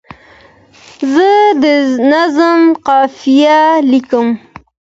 زه د نظم قافیه لیکم.